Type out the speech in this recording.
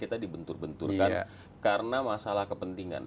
kita tidak bisa dibentur benturkan karena masalah kepentingan